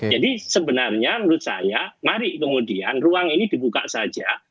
jadi sebenarnya menurut saya mari kemudian ruang ini dibuka saja